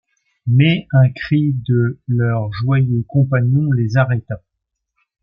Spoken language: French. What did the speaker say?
Mais un cri de leur joyeux compagnon les arrêta.